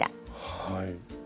はい。